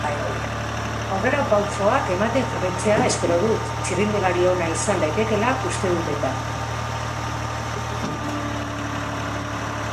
Aurrerapausoak ematen jarraitzea espero dut, txirrindulari ona izan daitekeela uste dut eta.